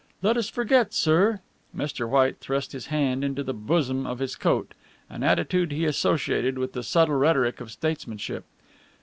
Let us forget, sir " Mr. White thrust his hand into the bosom of his coat, an attitude he associated with the subtle rhetoric of statesmanship.